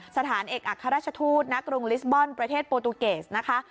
สถานเอกอัครราชทูตณกรุงลิสบอลประเทศโปรตูเกสนะคะ